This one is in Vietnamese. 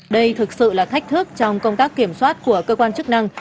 đây thực sự là thách thức trong công tác kiểm soát của cơ quan chức năng